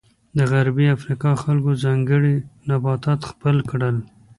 د غربي افریقا خلکو ځانګړي نباتات خپل کړل.